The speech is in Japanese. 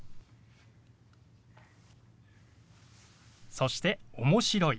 そして「面白い」。